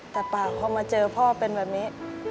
แต่ปากพอมาเจอพ่อเป็นแบบนี้